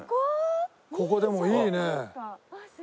ここでもいいねえ。